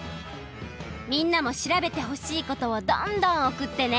みんなも調べてほしいことをどんどんおくってね！